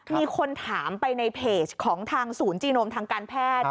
มีคนถามไปในเพจของทางศูนย์จีโนมทางการแพทย์